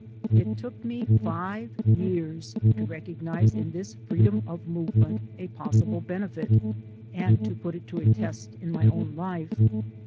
It took me five years to recognize in this freedom of movement a possible benefit, and to put it to a test in my own life.